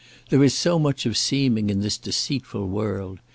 "There is so much of seeming in this deceitful world.